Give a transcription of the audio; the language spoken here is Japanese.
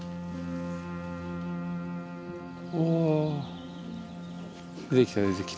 お出てきた出てきた。